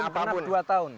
belum genap dua tahun